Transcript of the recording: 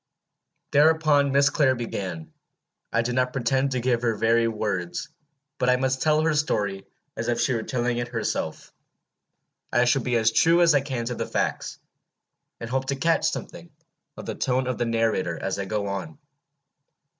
Thereupon Miss Clare began. I do not pretend to give her very words, but I must tell her story as if she were telling it herself. I shall be as true as I can to the facts, and hope to catch something of the tone of the narrator as I go on.